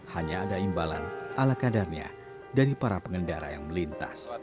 hanya ada imbalan ala kadarnya dari para pengendara yang melintas